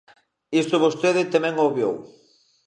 Iso vostede tamén o obviou.